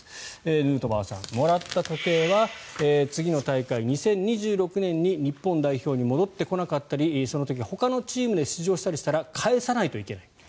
ヌートバーさんもらった時計は次の大会、２０２６年に日本代表に戻ってこなかったりその時ほかのチームで出場したりしたら返さないといけない。